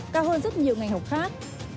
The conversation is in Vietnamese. cao hơn rất nhiều ngành học khác